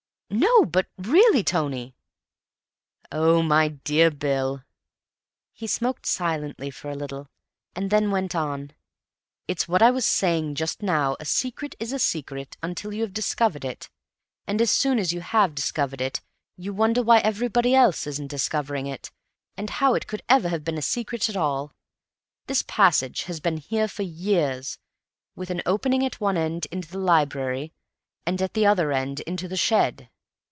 "No, but really, Tony." "Oh, my dear Bill!" He smoked silently for a little, and then went on, "It's what I was saying just now—a secret is a secret until you have discovered it, and as soon as you have discovered it, you wonder why everybody else isn't discovering it, and how it could ever have been a secret at all. This passage has been here for years, with an opening at one end into the library, and at the other end into the shed.